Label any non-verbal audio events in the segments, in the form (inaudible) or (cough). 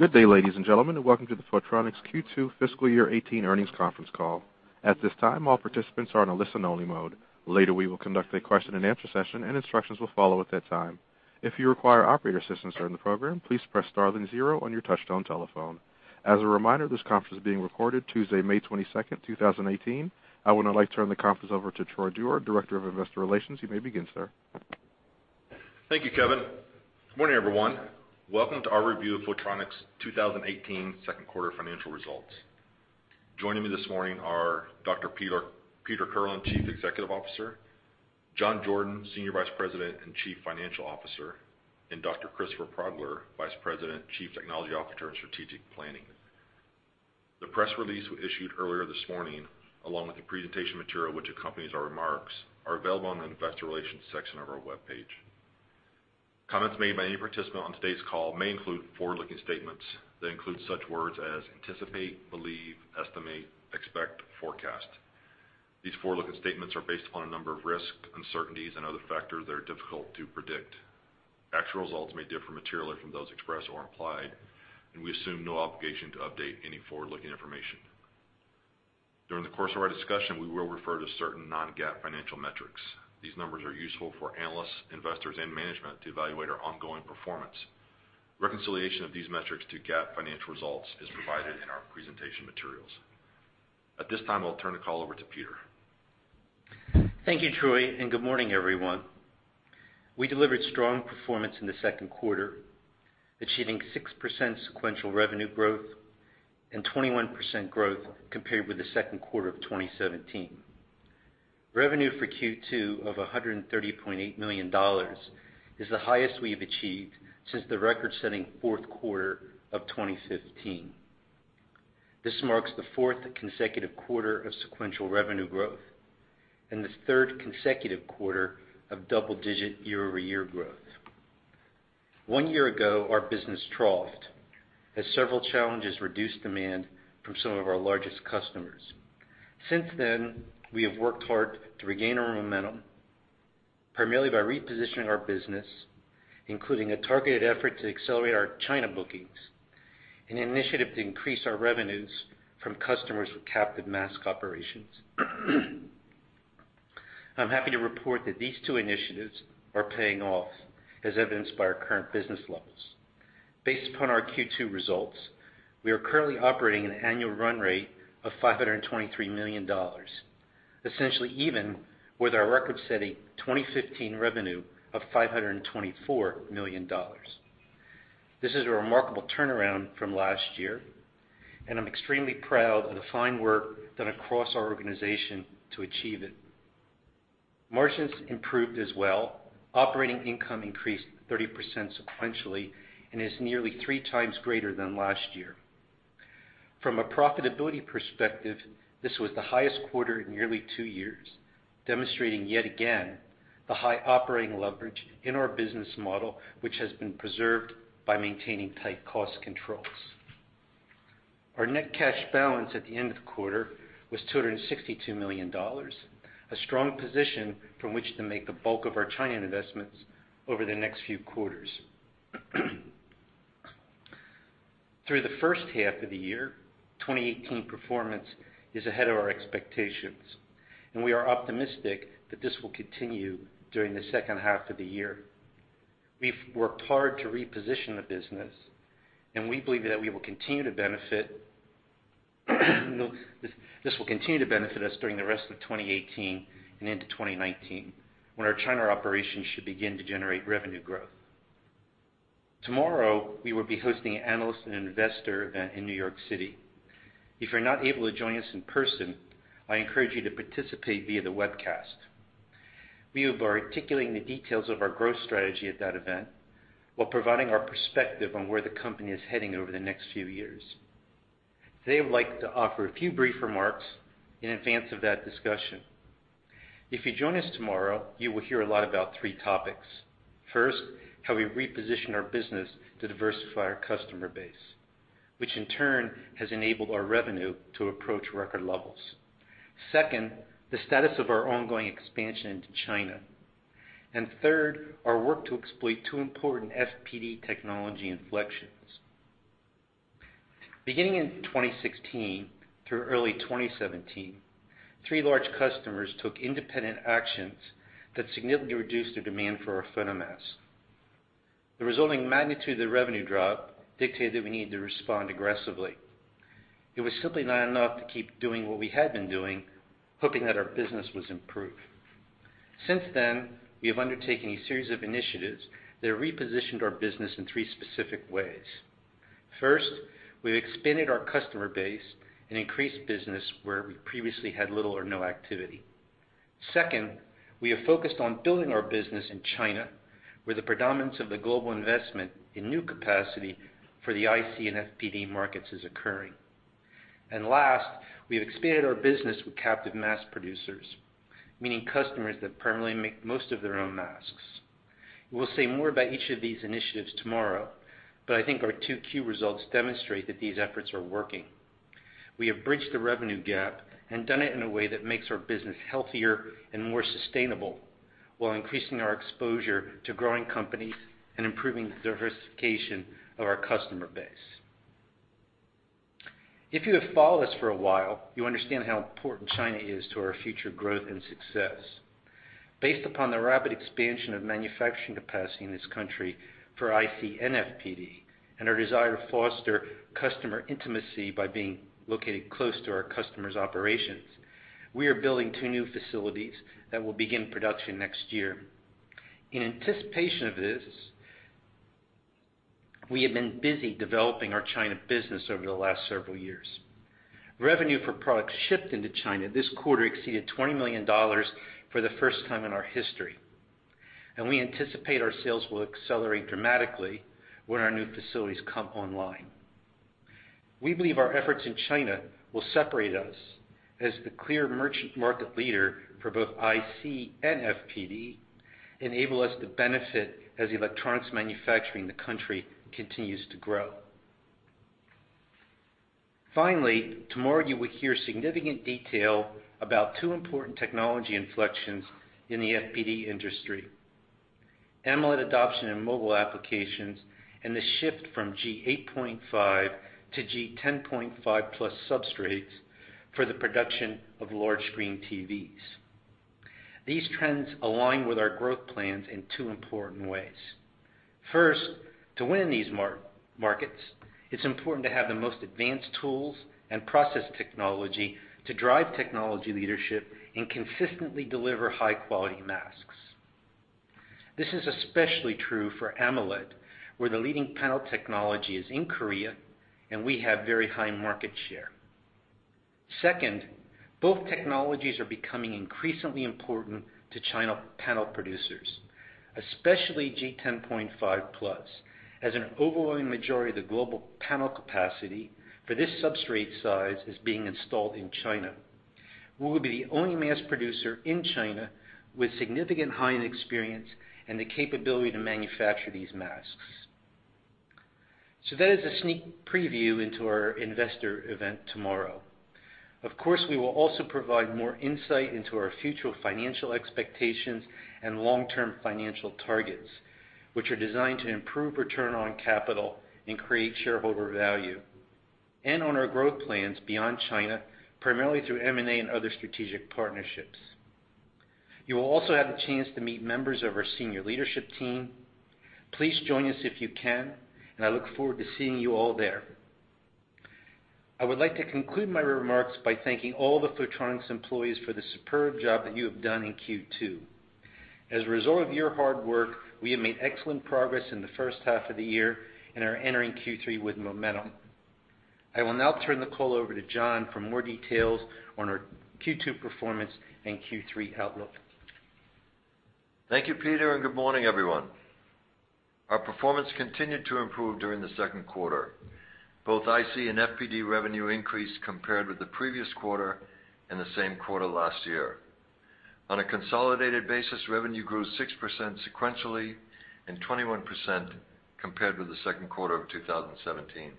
Good day, ladies and gentlemen, and Welcome to the Photronics Q2 FY 2018 Earnings Conference Call. At this time, all participants are on a listen-only mode. Later, we will conduct a question-and-answer session, and instructions will follow at that time. If you require operator assistance during the program, please press star then zero on your touch-tone telephone. As a reminder, this conference is being recorded. Tuesday, May 22nd, 2018. I would now like to turn the conference over to Troy Dewar, Director of Investor Relations. You may begin, sir. Thank you, Kevin. Good morning, everyone. Welcome to our Review of Photronics' 2018 Q2 Financial Results. Joining me this morning are Dr. Peter Kirlin, Chief Executive Officer, John Jordan, Senior Vice President and Chief Financial Officer, and Dr. Christopher Progler, Vice President, Chief Technology Officer and Strategic Planning. The press release we issued earlier this morning, along with the presentation material which accompanies our remarks, is available on the Investor Relations section of our webpage. Comments made by any participant on today's call may include forward-looking statements that include such words as anticipate, believe, estimate, expect, forecast. These forward-looking statements are based upon a number of risks, uncertainties, and other factors that are difficult to predict. Actual results may differ materially from those expressed or implied, and we assume no obligation to update any forward-looking information. During the course of our discussion, we will refer to certain non-GAAP financial metrics. These numbers are useful for analysts, investors, and management to evaluate our ongoing performance. Reconciliation of these metrics to GAAP financial results is provided in our presentation materials. At this time, I'll turn the call over to Peter. Thank you, Troy, and good morning, everyone. We delivered strong performance in the Q2, achieving 6% sequential revenue growth and 21% growth compared with the Q2 of 2017. Revenue for Q2 of $130.8 million is the highest we've achieved since the record-setting Q4 of 2015. This marks the fourth consecutive quarter of sequential revenue growth and the third consecutive quarter of double-digit year-over-year growth. One year ago, our business troughed as several challenges reduced demand from some of our largest customers. Since then, we have worked hard to regain our momentum, primarily by repositioning our business, including a targeted effort to accelerate our China bookings and an initiative to increase our revenues from customers who have captive mask operations. I'm happy to report that these two initiatives are paying off, as evidenced by our current business levels. Based upon our Q2 results, we are currently operating an annual run rate of $523 million, essentially even with our record-setting 2015 revenue of $524 million. This is a remarkable turnaround from last year, and I'm extremely proud of the fine work done across our organization to achieve it. Margins improved as well. Operating income increased 30% sequentially and is nearly three times greater than last year. From a profitability perspective, this was the highest quarter in nearly two years, demonstrating yet again the high operating leverage in our business model, which has been preserved by maintaining tight cost controls. Our net cash balance at the end of the quarter was $262 million, a strong position from which to make the bulk of our China investments over the next few quarters. Through the first half of the year, 2018 performance is ahead of our expectations, and we are optimistic that this will continue during the second half of the year. We've worked hard to reposition the business, and we believe that this will continue to benefit us during the rest of 2018 and into 2019, when our China operations should begin to generate revenue growth. Tomorrow, we will be hosting an analyst and investor event in New York City. If you're not able to join us in person, I encourage you to participate via the webcast. We will be articulating the details of our growth strategy at that event while providing our perspective on where the company is heading over the next few years. Today, I would like to offer a few brief remarks in advance of that discussion. If you join us tomorrow, you will hear a lot about three topics. First, how we reposition our business to diversify our customer base, which in turn has enabled our revenue to approach record levels. Second, the status of our ongoing expansion into China, and third, our work to exploit two important FPD technology inflections. Beginning in 2016 through early 2017, three large customers took independent actions that significantly reduced the demand for our photomask. The resulting magnitude of the revenue drop dictated that we needed to respond aggressively. It was simply not enough to keep doing what we had been doing, hoping that our business would improve. Since then, we have undertaken a series of initiatives that have repositioned our business in three specific ways. First, we've expanded our customer base and increased business where we previously had little or no activity. Second, we have focused on building our business in China, where the predominance of the global investment in new capacity for the IC and FPD markets is occurring. And last, we have expanded our business with captive mask producers, meaning customers that primarily make most of their own masks. We'll say more about each of these initiatives tomorrow, but I think our two key results demonstrate that these efforts are working. We have bridged the revenue gap and done it in a way that makes our business healthier and more sustainable while increasing our exposure to growing companies and improving the diversification of our customer base. If you have followed us for a while, you understand how important China is to our future growth and success. Based upon the rapid expansion of manufacturing capacity in this country for IC and FPD and our desire to foster customer intimacy by being located close to our customers' operations, we are building two new facilities that will begin production next year. In anticipation of this, we have been busy developing our China business over the last several years. Revenue for products shipped into China this quarter exceeded $20 million for the first time in our history, and we anticipate our sales will accelerate dramatically when our new facilities come online. We believe our efforts in China will separate us as the clear merchant market leader for both IC and FPD, enabling us to benefit as electronics manufacturing in the country continues to grow. Finally, tomorrow you will hear significant detail about two important technology inflections in the FPD industry: AMOLED adoption in mobile applications and the shift from G8.5 to G10.5+ substrates for the production of large screen TVs. These trends align with our growth plans in two important ways. First, to win in these markets, it's important to have the most advanced tools and process technology to drive technology leadership and consistently deliver high-quality masks. This is especially true for AMOLED, where the leading panel technology is in Korea, and we have very high market share. Second, both technologies are becoming increasingly important to China panel producers, especially G10.5+, as an overwhelming majority of the global panel capacity for this substrate size is being installed in China. We will be the only mask producer in China with significant high-end experience and the capability to manufacture these masks. So that is a sneak preview into our investor event tomorrow. Of course, we will also provide more insight into our future financial expectations and long-term financial targets, which are designed to improve return on capital and create shareholder value, and on our growth plans beyond China, primarily through M&A and other strategic partnerships. You will also have the chance to meet members of our senior leadership team. Please join us if you can, and I look forward to seeing you all there. I would like to conclude my remarks by thanking all the Photronics' employees for the superb job that you have done in Q2. As a result of your hard work, we have made excellent progress in the first half of the year and are entering Q3 with momentum. I will now turn the call over to John for more details on our Q2 performance and Q3 outlook. Thank you, Peter, and good morning, everyone. Our performance continued to improve during the Q2. Both IC and FPD revenue increased compared with the previous quarter and the same quarter last year. On a consolidated basis, revenue grew 6% sequentially and 21% compared with the Q2 of 2017.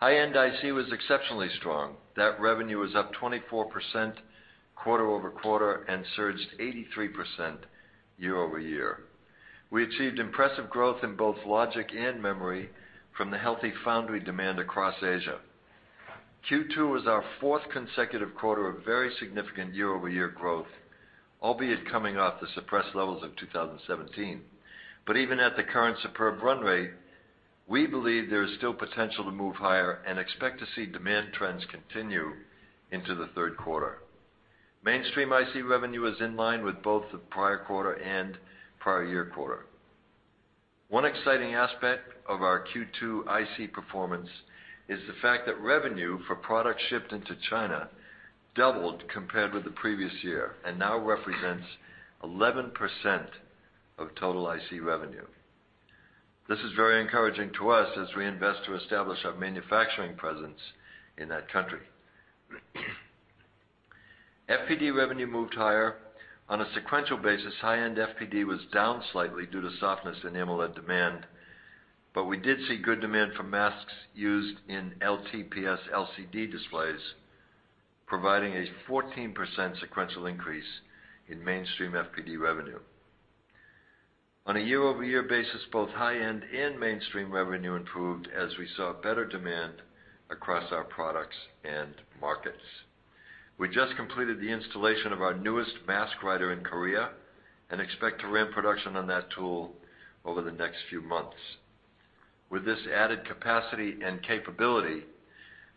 High-end IC was exceptionally strong. That revenue was up 24% quarter-over-quarter and surged 83% year over year. We achieved impressive growth in both logic and memory from the healthy foundry demand across Asia. Q2 was our fourth consecutive quarter of very significant year-over-year growth, albeit coming off the suppressed levels of 2017. But even at the current superb run rate, we believe there is still potential to move higher and expect to see demand trends continue into the Q3. Mainstream IC revenue is in line with both the prior quarter and prior year quarter. One exciting aspect of our Q2 IC performance is the fact that revenue for products shipped into China doubled compared with the previous year and now represents 11% of total IC revenue. This is very encouraging to us as we invest to establish our manufacturing presence in that country. FPD revenue moved higher. On a sequential basis, high-end FPD was down slightly due to softness in AMOLED demand, but we did see good demand for masks used in LTPS LCD displays, providing a 14% sequential increase in mainstream FPD revenue. On a year-over-year basis, both high-end and mainstream revenue improved as we saw better demand across our products and markets. We just completed the installation of our newest mask writer in Korea and expect to ramp production on that tool over the next few months. With this added capacity and capability,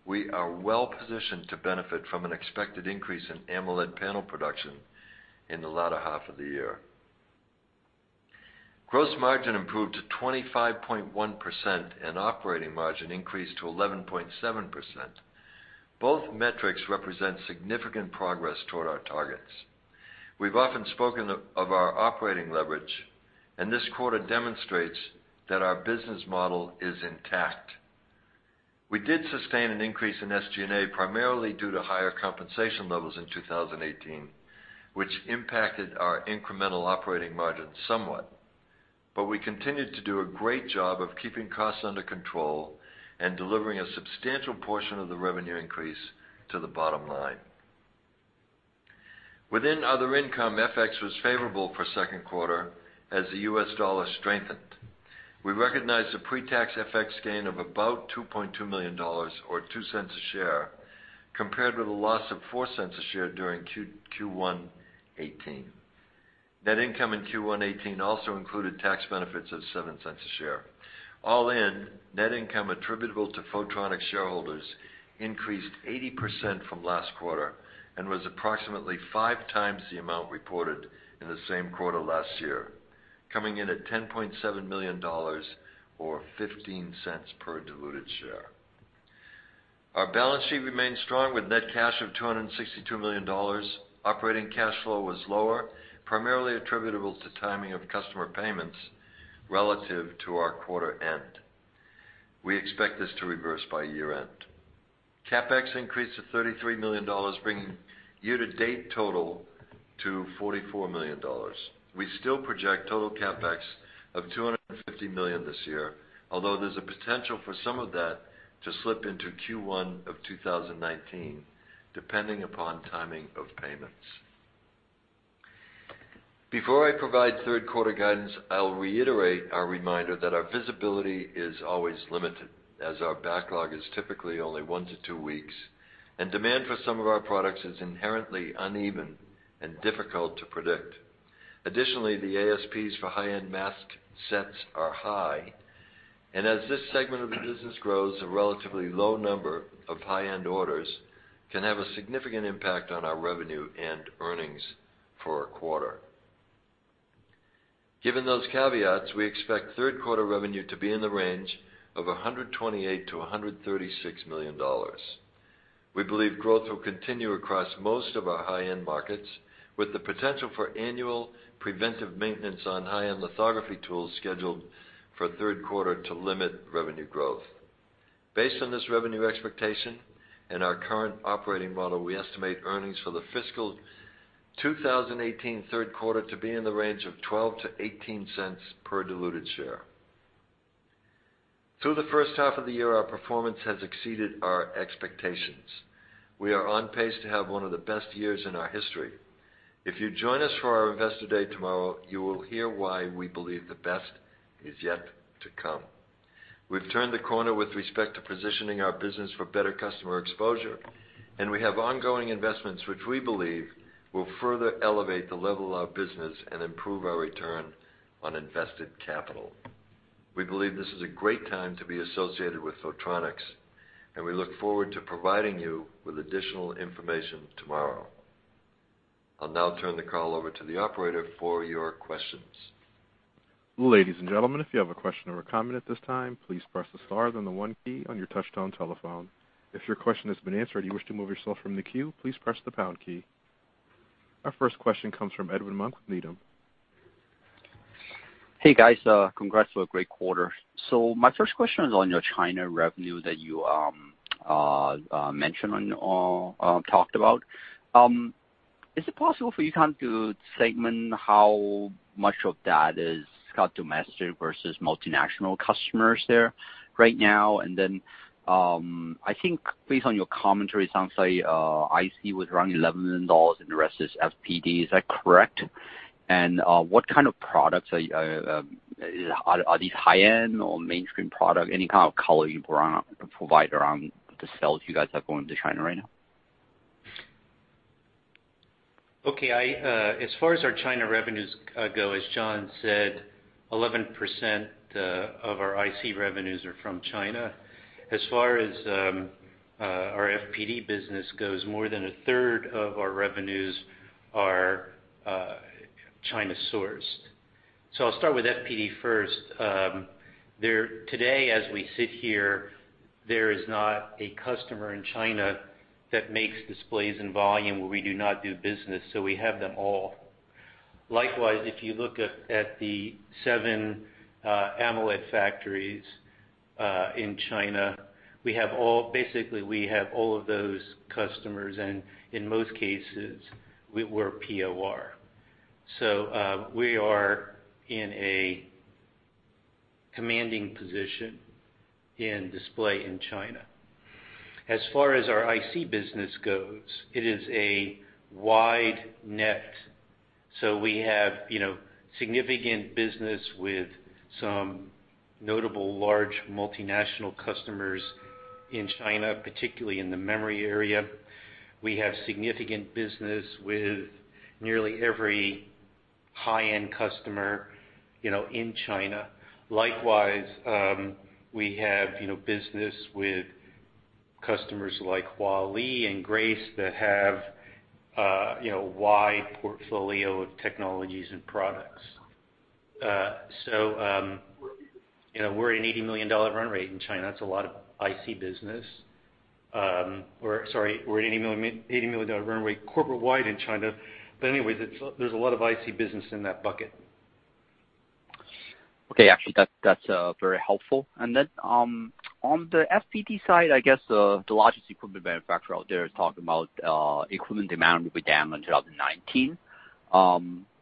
we are well positioned to benefit from an expected increase in AMOLED panel production in the latter half of the year. Gross margin improved to 25.1% and operating margin increased to 11.7%. Both metrics represent significant progress toward our targets. We've often spoken of our operating leverage, and this quarter demonstrates that our business model is intact. We did sustain an increase in SG&A primarily due to higher compensation levels in 2018, which impacted our incremental operating margin somewhat, but we continued to do a great job of keeping costs under control and delivering a substantial portion of the revenue increase to the bottom line. Within other income, FX was favorable for Q2 as the U.S. dollar strengthened. We recognized a pre-tax FX gain of about $2.2 million or $0.02 a share compared with a loss of $0.04 a share during Q1 2018. Net income in Q1 2018 also included tax benefits of $0.07 a share. All in, net income attributable to Photronics' shareholders increased 80% from last quarter and was approximately five times the amount reported in the same quarter last year, coming in at $10.7 million or $0.15 per diluted share. Our balance sheet remained strong with net cash of $262 million. Operating cash flow was lower, primarily attributable to timing of customer payments relative to our quarter end. We expect this to reverse by year-end. CapEx increased to $33 million, bringing year-to-date total to $44 million. We still project total CapEx of $250 million this year, although there's a potential for some of that to slip into Q1 of 2019, depending upon timing of payments. Before I provide Q3 guidance, I'll reiterate our reminder that our visibility is always limited, as our backlog is typically only one to two weeks, and demand for some of our products is inherently uneven and difficult to predict. Additionally, the ASPs for high-end mask sets are high, and as this segment of the business grows, a relatively low number of high-end orders can have a significant impact on our revenue and earnings for a quarter. Given those caveats, we expect Q3 revenue to be in the range of $128-$136 million. We believe growth will continue across most of our high-end markets, with the potential for annual preventive maintenance on high-end lithography tools scheduled for Q3 to limit revenue growth. Based on this revenue expectation and our current operating model, we estimate earnings for the fiscal 2018 Q3 to be in the range of $0.12 to $0.18 per diluted share. Through the first half of the year, our performance has exceeded our expectations. We are on pace to have one of the best years in our history. If you join us for our investor day tomorrow, you will hear why we believe the best is yet to come. We've turned the corner with respect to positioning our business for better customer exposure, and we have ongoing investments which we believe will further elevate the level of our business and improve our return on invested capital. We believe this is a great time to be associated with Photronics, and we look forward to providing you with additional information tomorrow. I'll now turn the call over to the operator for your questions. Ladies and gentlemen, if you have a question or a comment at this time, please press the star and the one key on your touch-tone telephone. If your question has been answered and you wish to remove yourself from the queue, please press the pound key. Our first question comes from Edwin Mok with Needham. Hey, guys. Congrats for a great quarter. So my first question is on your China revenue that you mentioned and talked about. Is it possible for you to segment how much of that is (inaudible) versus multinational customers there right now? And then I think based on your commentary, it sounds like IC was around $11 million and the rest is FPD. Is that correct? And what kind of products are these? Are these high-end or mainstream products? Any kind of color you provide around the sales you guys have going into China right now? Okay. As far as our China revenues go, as John said, 11% of our IC revenues are from China. As far as our FPD business goes, more than a third of our revenues are China-sourced. So I'll start with FPD first. Today, as we sit here, there is not a customer in China that makes displays in volume where we do not do business, so we have them all. Likewise, if you look at the seven AMOLED factories in China, we have all, basically, we have all of those customers, and in most cases, we're POR. So we are in a commanding position in display in China. As far as our IC business goes, it is a wide net, so we have significant business with some notable large multinational customers in China, particularly in the memory area. We have significant business with nearly every high-end customer in China. Likewise, we have business with customers like Huawei and Grace that have a wide portfolio of technologies and products. So we're an $80 million run rate in China. That's a lot of IC business. Or sorry, we're an $80 million run rate corporate-wide in China. But anyways, there's a lot of IC business in that bucket. Okay. Actually, that's very helpful. And then on the FPD side, I guess the largest equipment manufacturer out there is talking about equipment demand with them in 2019.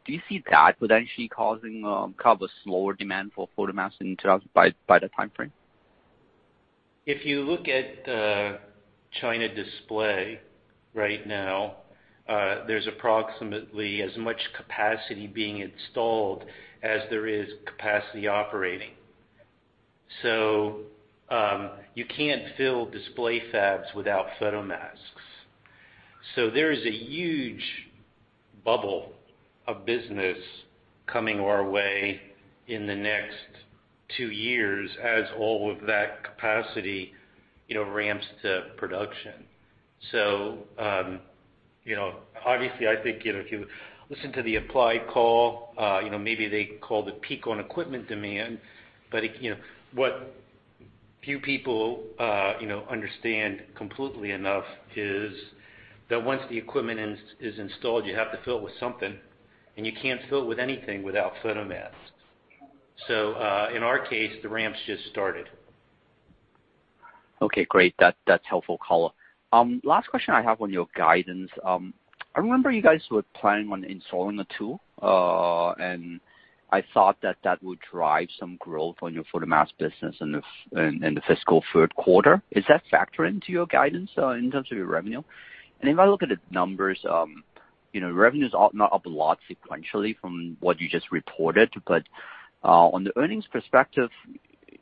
Do you see that potentially causing kind of a slower demand for photomask by that timeframe? If you look at China display right now, there's approximately as much capacity being installed as there is capacity operating. So you can't fill display fabs without photomasks. So there is a huge bubble of business coming our way in the next two years as all of that capacity ramps to production. So obviously, I think if you listen to the Applied call, maybe they call the peak on equipment demand, but what few people understand completely enough is that once the equipment is installed, you have to fill it with something, and you can't fill it with anything without photomasks. So in our case, the ramp's just started. Okay. Great. That's helpful. (inaudible) Last question I have on your guidance. I remember you guys were planning on installing a tool, and I thought that that would drive some growth on your photomask business in the fiscal Q3. Is that factoring to your guidance in terms of your revenue? And if I look at the numbers, revenue's not up a lot sequentially from what you just reported, but on the earnings perspective,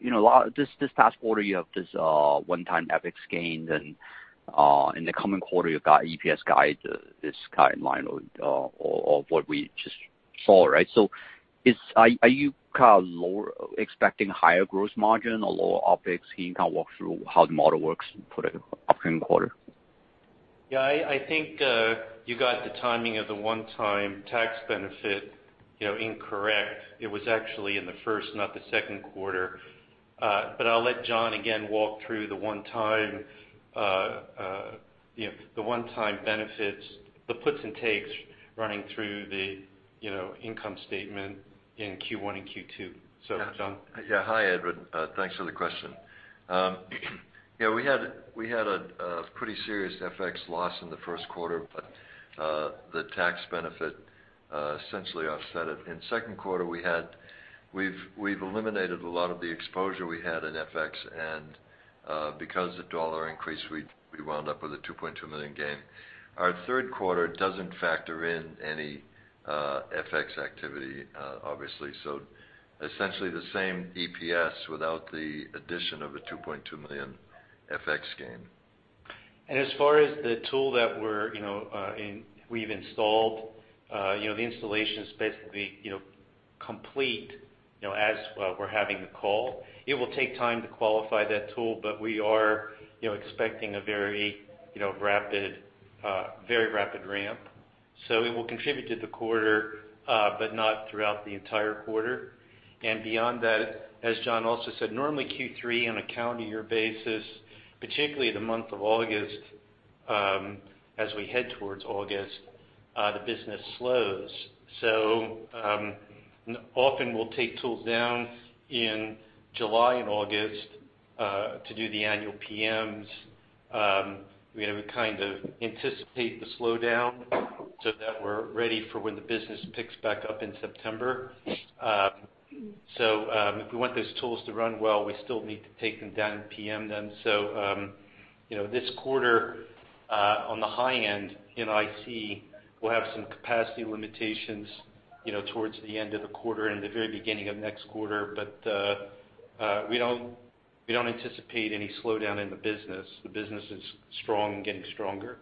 this past quarter, you have this one-time FX gains, and in the coming quarter, you've got EPS guide, this guideline of what we just saw, right? So are you kind of expecting higher gross margin or lower OpEx? Can you kind of walk through how the model works for the upcoming quarter? Yeah. I think you got the timing of the one-time tax benefit incorrect. It was actually in the first, not the Q2. But I'll let John again walk through the one-time benefits, the puts and takes running through the income statement in Q1 and Q2. So, John. Yeah. Hi, Edwin. Thanks for the question. Yeah. We had a pretty serious FX loss in the Q1, but the tax benefit essentially offset it. In Q2, we've eliminated a lot of the exposure we had in FX, and because of dollar increase, we wound up with a $2.2 million gain. Our Q3 doesn't factor in any FX activity, obviously. So essentially the same EPS without the addition of a $2.2 million FX gain. As far as the tool that we've installed, the installation is basically complete as we're having the call. It will take time to qualify that tool, but we are expecting a very rapid ramp. It will contribute to the quarter, but not throughout the entire quarter. Beyond that, as John also said, normally Q3 on a calendar year basis, particularly the month of August, as we head towards August, the business slows. Often we'll take tools down in July and August to do the annual PMs. We kind of anticipate the slowdown so that we're ready for when the business picks back up in September. If we want those tools to run well, we still need to take them down and PM them. So this quarter, on the high end, IC will have some capacity limitations towards the end of the quarter and the very beginning of next quarter, but we don't anticipate any slowdown in the business. The business is strong and getting stronger.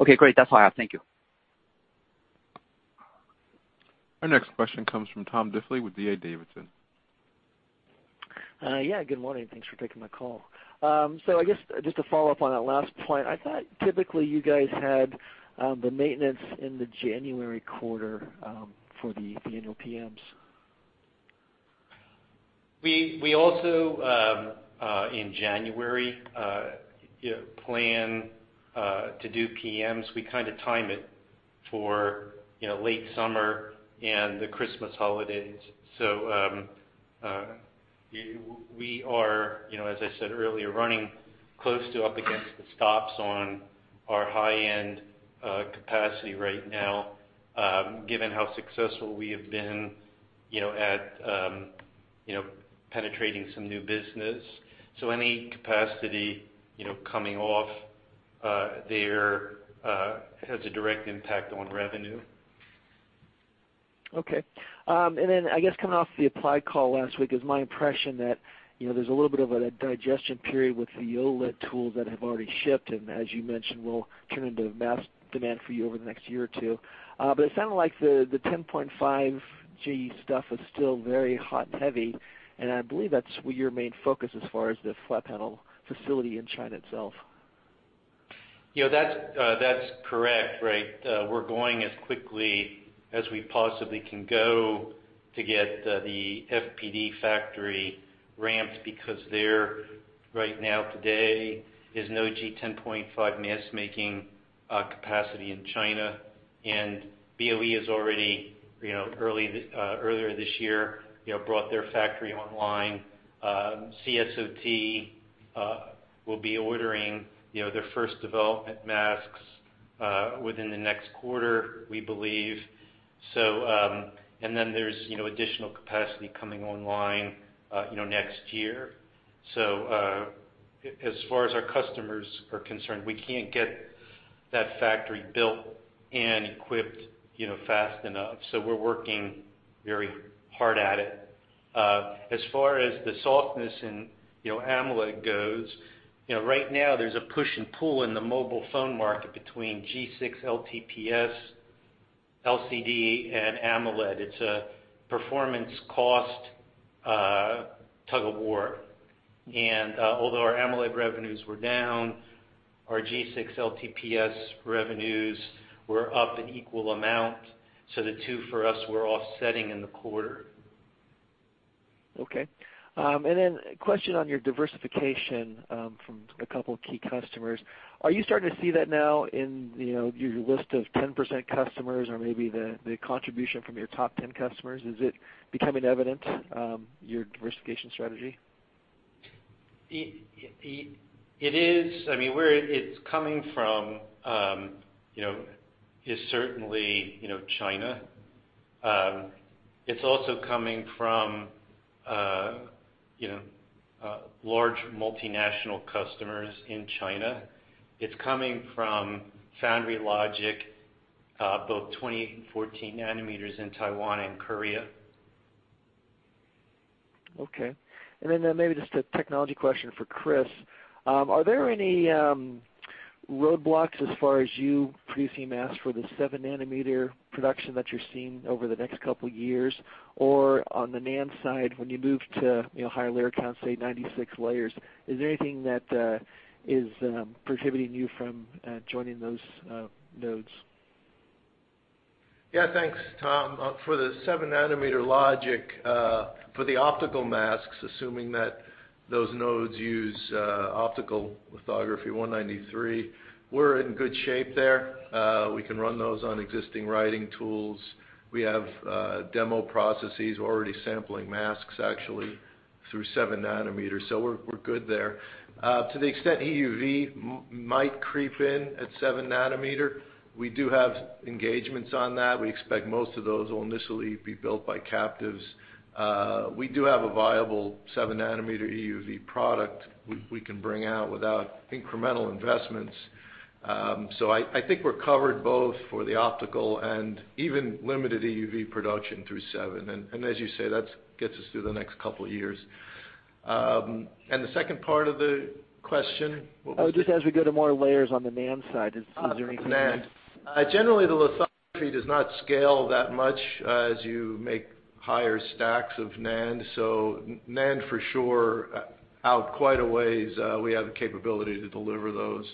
Okay. Great. That's all I have. Thank you. Our next question comes from Tom Diffely with D.A. Davidson. Yeah. Good morning. Thanks for taking my call. So I guess just to follow up on that last point, I thought typically you guys had the maintenance in the January quarter for the annual PMs. We also, in January, plan to do PMs. We kind of time it for late summer and the Christmas holidays. So we are, as I said earlier, running close to up against the stops on our high-end capacity right now, given how successful we have been at penetrating some new business. So any capacity coming off there has a direct impact on revenue. Okay, and then I guess coming off the Applied call last week, it's my impression that there's a little bit of a digestion period with the OLED tools that have already shipped, and as you mentioned, we'll turn into mask demand for you over the next year or two, but it sounded like the 10.5G stuff is still very hot and heavy, and I believe that's your main focus as far as the flat panel facility in China itself. That's correct. Right. We're going as quickly as we possibly can go to get the FPD factory ramped because there, right now today, is no G10.5 mask-making capacity in China, and BOE has already, earlier this year, brought their factory online. CSOT will be ordering their first development masks within the next quarter, we believe. And then there's additional capacity coming online next year. So as far as our customers are concerned, we can't get that factory built and equipped fast enough. So we're working very hard at it. As far as the softness in AMOLED goes, right now there's a push and pull in the mobile phone market between G6 LTPS, LCD, and AMOLED. It's a performance-cost tug-of-war. And although our AMOLED revenues were down, our G6 LTPS revenues were up an equal amount. So the two for us were offsetting in the quarter. Okay. And then question on your diversification from a couple of key customers. Are you starting to see that now in your list of 10% customers or maybe the contribution from your top 10 customers? Is it becoming evident, your diversification strategy? It is. I mean, it's coming from, certainly, China. It's also coming from large multinational customers in China. It's coming from Foundry Logic, both 20 and 14 nm in Taiwan and Korea. Okay. And then maybe just a technology question for Chris. Are there any roadblocks as far as you producing masks for the 7-nm production that you're seeing over the next couple of years? Or on the NAND side, when you move to higher layer counts, say 96 layers, is there anything that is prohibiting you from joining those nodes? Yeah. Thanks, Tom. For the 7-nm logic, for the optical masks, assuming that those nodes use optical lithography 193, we're in good shape there. We can run those on existing writing tools. We have demo processes. We're already sampling masks, actually, through 7-nm. So we're good there. To the extent EUV might creep in at 7-nm, we do have engagements on that. We expect most of those will initially be built by captives. We do have a viable 7-nm EUV product we can bring out without incremental investments. So I think we're covered both for the optical and even limited EUV production through 7. And as you say, that gets us through the next couple of years. And the second part of the question? Just as we go to more layers on the NAND side, is there anything? Generally, the lithography does not scale that much as you make higher stacks of NAND. So NAND, for sure, out quite a ways. We have the capability to deliver those.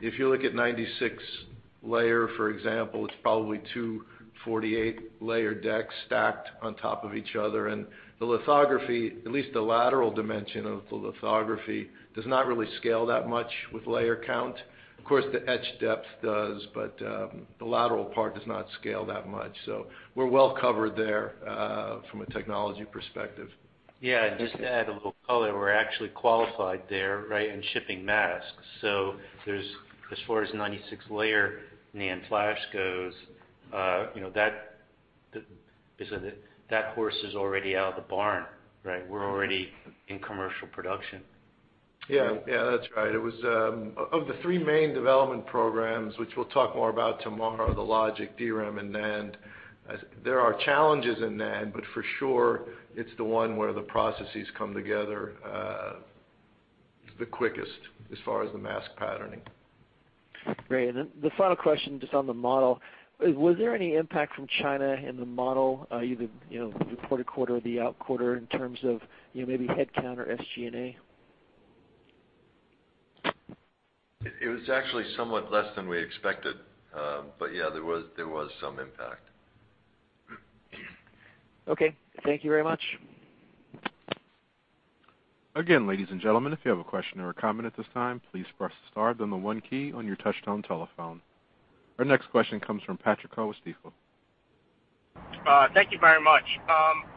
If you look at 96-layer, for example, it's probably two 48-layer decks stacked on top of each other. And the lithography, at least the lateral dimension of the lithography, does not really scale that much with layer count. Of course, the etch depth does, but the lateral part does not scale that much. So we're well covered there from a technology perspective. Yeah. And just to add a little color, we're actually qualified there, right, in shipping masks. So as far as 96-layer NAND flash goes, that horse is already out of the barn, right? We're already in commercial production. Yeah. Yeah. That's right. Of the three main development programs, which we'll talk more about tomorrow, the logic, DRAM, and NAND, there are challenges in NAND, but for sure, it's the one where the processes come together the quickest as far as the mask patterning. Great. And then the final question just on the model. Was there any impact from China in the model, either the quarter-quarter or the out-quarter, in terms of maybe headcount or SG&A? It was actually somewhat less than we expected, but yeah, there was some impact. Okay. Thank you very much. Again, ladies and gentlemen, if you have a question or a comment at this time, please press the star then the one key on your touch-tone telephone. Our next question comes from Patrick Ho of Stifel. Thank you very much.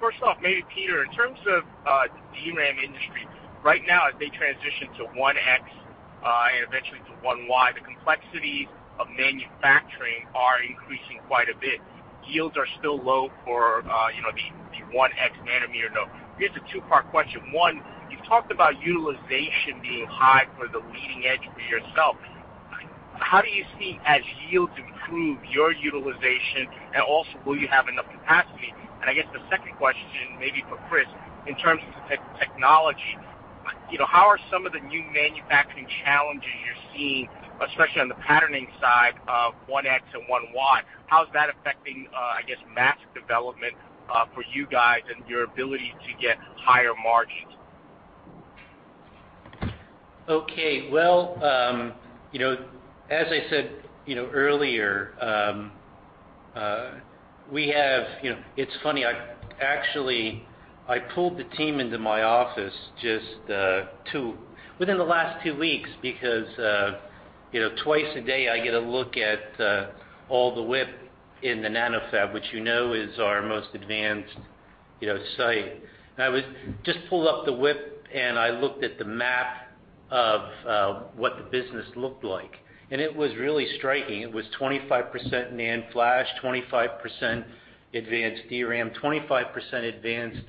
First off, maybe Peter, in terms of the DRAM industry, right now, as they transition to 1X and eventually to 1Y, the complexities of manufacturing are increasing quite a bit. Yields are still low for the 1X nanometer node. Here's a two-part question. One, you've talked about utilization being high for the leading edge for yourself. How do you see, as yields improve, your utilization, and also, will you have enough capacity? And I guess the second question, maybe for Chris, in terms of the technology, how are some of the new manufacturing challenges you're seeing, especially on the patterning side of 1X and 1Y, how's that affecting, I guess, mass development for you guys and your ability to get higher margins? Okay. Well, as I said earlier, we have. It's funny. Actually, I pulled the team into my office just within the last two weeks because twice a day, I get a look at all the WIP in the NanoFab, which you know is our most advanced site. I just pulled up the WIP, and I looked at the map of what the business looked like, and it was really striking. It was 25% NAND flash, 25% advanced DRAM, 25% advanced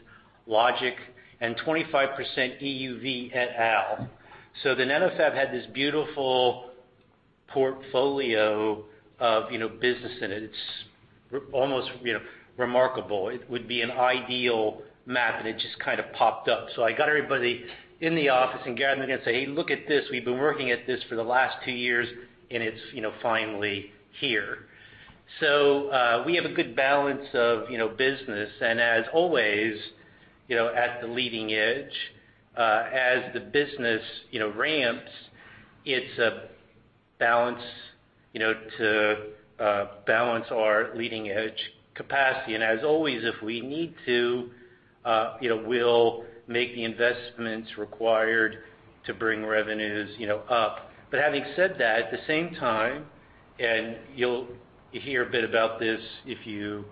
logic, and 25% EUV et al., so the NanoFab had this beautiful portfolio of business in it. It's almost remarkable. It would be an ideal map, and it just kind of popped up, so I got everybody in the office and gathered them together and said, "Hey, look at this. We've been working at this for the last two years, and it's finally here, so we have a good balance of business, and as always, at the leading edge, as the business ramps, it's a balance to balance our leading edge capacity, and as always, if we need to, we'll make the investments required to bring revenues up, but having said that, at the same time, and you'll hear a bit about this if you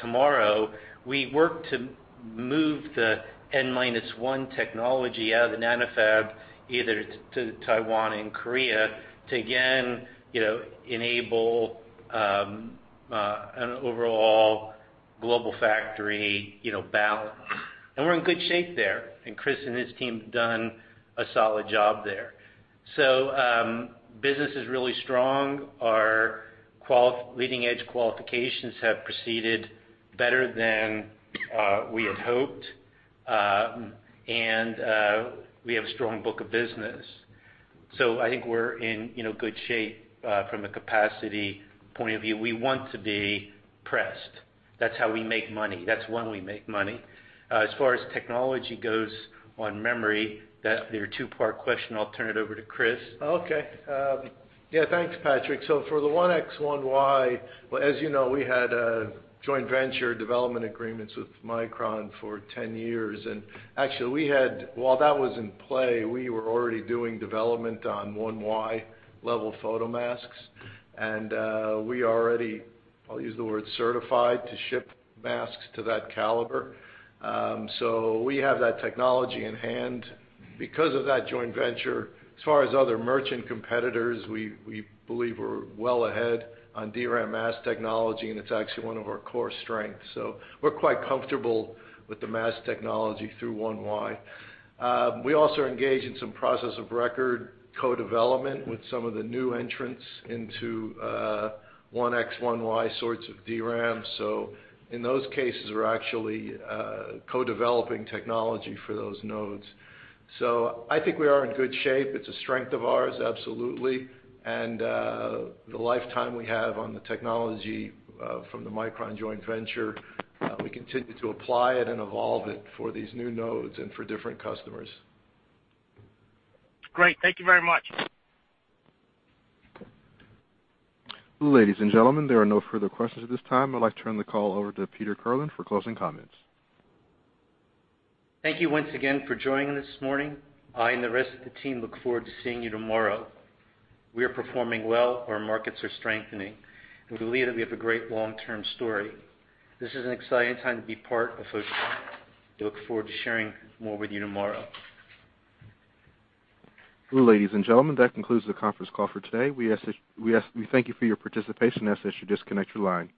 tomorrow, we worked to move the N-1 technology out of the NanoFab, either to Taiwan and Korea, to again enable an overall global factory balance, and we're in good shape there, and Chris and his team have done a solid job there, so business is really strong. Our leading edge qualifications have proceeded better than we had hoped, and we have a strong book of business. So I think we're in good shape from a capacity point of view. We want to be pressed. That's how we make money. That's when we make money. As far as technology goes on memory, that's your two-part question. I'll turn it over to Chris. Okay. Yeah. Thanks, Patrick. So for the 1X, 1Y, as you know, we had joint venture development agreements with Micron for 10 years. And actually, while that was in play, we were already doing development on 1Y-level photomasks. And we already, I'll use the word certified, to ship masks to that caliber. So we have that technology in hand. Because of that joint venture, as far as other merchant competitors, we believe we're well ahead on DRAM mask technology, and it's actually one of our core strengths. So we're quite comfortable with the mask technology through 1Y. We also engage in some process of record co-development with some of the new entrants into 1X, 1Y sorts of DRAM. So in those cases, we're actually co-developing technology for those nodes. So I think we are in good shape. It's a strength of ours, absolutely. The lifetime we have on the technology from the Micron joint venture, we continue to apply it and evolve it for these new nodes and for different customers. Great. Thank you very much. Ladies and gentlemen, there are no further questions at this time. I'd like to turn the call over to Peter Kirlin for closing comments. Thank you once again for joining us this morning. I and the rest of the team look forward to seeing you tomorrow. We are performing well. Our markets are strengthening. We believe that we have a great long-term story. This is an exciting time to be part of Photronics. We look forward to sharing more with you tomorrow. Ladies and gentlemen, that concludes the conference call for today. We thank you for your participation and ask that you disconnect your line.